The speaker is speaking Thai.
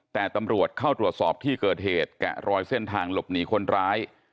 แต่ตำรวจเข้าตรวจสอบที่เกิดเหตุแกะรอยเส้นทางหลบหนีคนร้าย